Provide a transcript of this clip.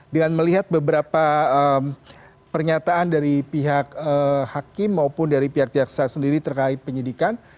dengan melihat beberapa pernyataan dari pihak hakim maupun dari pihak jaksa sendiri terkait penyidikan